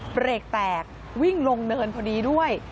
เบรกแตกวิ่งลงเนินพอดีด้วย